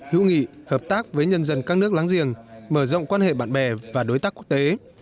hữu nghị hợp tác với nhân dân các nước láng giềng mở rộng quan hệ bạn bè và đối tác quốc tế